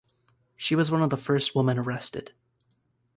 She was one of the first women arrested.